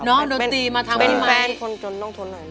เป็นแฟนคนจนต้องทนหน่อยน้อง